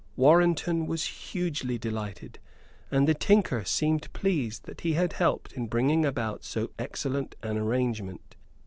Warrenton was hugely delighted; and the tinker seemed pleased that he had helped in bringing about so excellent an arrangement.